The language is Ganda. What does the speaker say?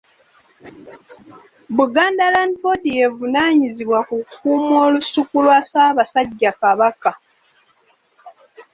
Buganda Land Board y'evunaanyizibwa okukuuma Olusuku lwa Ssaabasajja Kabaka.